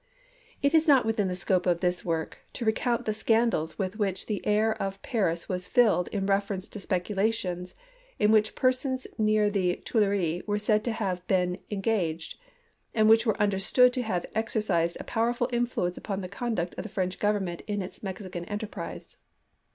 It is not within the scope of this work to re count the scandals with which the air of Paris was filled in reference to speculations in which persons near to the Tuileries were said to be en gaged, and which were understood to have exer cised a powerful influence upon the conduct of the French Grovernment in its Mexican enterprise.